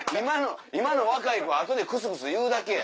今の若い子は後でクスクス言うだけや。